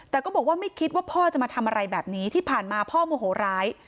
แต่ก็บอกว่าไม่คิดว่าพ่อจะมาทำอะไรแบบนี้ที่ผ่านมาพ่อโมโหร้าย